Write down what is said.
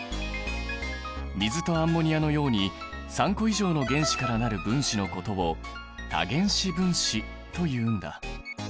水とアンモニアのように３個以上の原子から成る分子のことを多原子分子というんだ。